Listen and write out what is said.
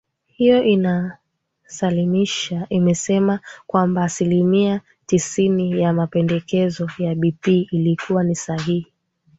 hiyo imesalimisha imesema kwamba aslimia tisini ya mapendekezo ya bp ilikuwa ni sahihi